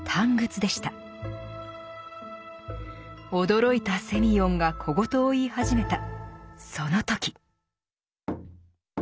驚いたセミヨンが小言を言い始めたその時。